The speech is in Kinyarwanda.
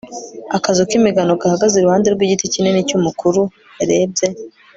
akazu k'imigano gahagaze iruhande rw'igiti kinini cy'umukuru. yarebye